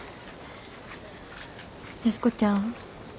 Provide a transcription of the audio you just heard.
安子ちゃん。